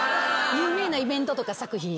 有名なイベントとか作品。